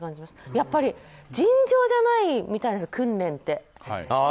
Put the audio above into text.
やっぱり尋常じゃないみたいですよ訓練って。